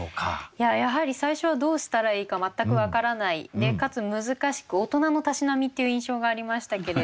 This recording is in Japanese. やはり最初はどうしたらいいか全く分からないかつ難しく大人のたしなみっていう印象がありましたけれど。